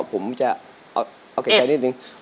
ผมจะเอาแก่ใจนิดนึง